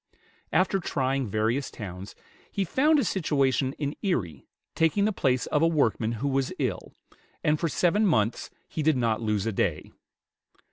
After trying various towns, he found a situation in Erie, taking the place of a workman who was ill, and for seven months he did not lose a day.